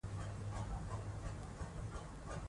دوی کلونه مخکې په دې ستونزه پوهېدل.